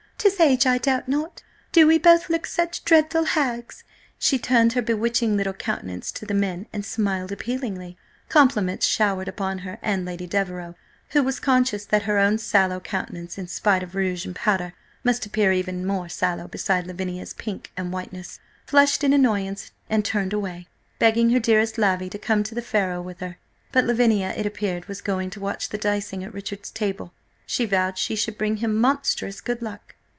'Tis age, I doubt not. Do we both look such dreadful hags?" She turned her bewitching little countenance to the men, and smiled appealingly. Compliments showered upon her, and Lady Devereux, who was conscious that her own sallow countenance, in spite of rouge and powder, must appear even more sallow beside Lavinia's pink and whiteness, flushed in annoyance and turned away, begging her dearest Lavvy to come to the faro with her. But Lavinia, it appeared, was going to watch the dicing at Richard's table: she vowed she should bring him monstrous good luck.